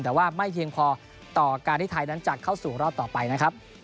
แต่ว่าไม่เพียงพอต่อการที่ไทยนั้นจะเข้าสู่รอบต่อไปนะครับ